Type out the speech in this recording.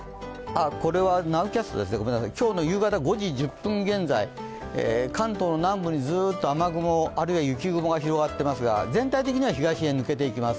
今日の夕方５時１０分現在、関東の南部にずっと雨雲あるいは雪雲が広がっていますが、全体的には東へ抜けていきます。